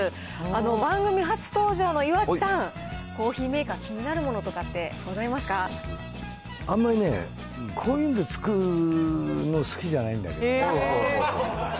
番組初登場の岩城さん、コーヒーメーカー、気になるものってござあんまりね、こういうので作るの好きじゃないんだけど。